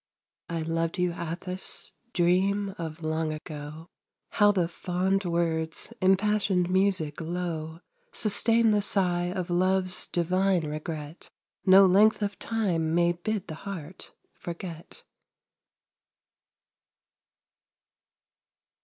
I loved you, Atthis dream of long ago How the fond words, impassioned music low, Sustain the sigh of love's divine regret No length of time may bid the heart forget.